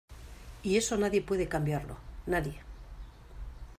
y eso nadie puede cambiarlo, nadie.